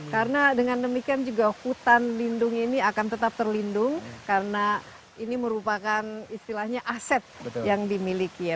karena dengan demikian juga hutan lindung ini akan tetap terlindung karena ini merupakan istilahnya aset yang dimiliki ya